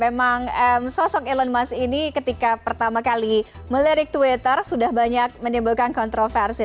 memang sosok elon musk ini ketika pertama kali melirik twitter sudah banyak menimbulkan kontroversi